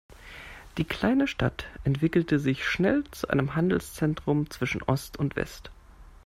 Die kleine Stadt entwickelte sich schnell zu einem Handelszentrum zwischen Ost und West.